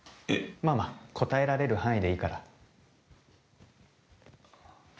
まぁまぁ答えられる範囲でいいから。